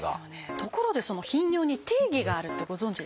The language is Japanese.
ところでその「頻尿」に定義があるってご存じですか？